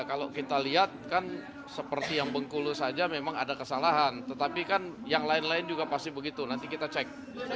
kalau kita lihat kan seperti yang bengkulu saja memang ada kesalahan tetapi kan yang lain lain juga pasti begitu nanti kita cek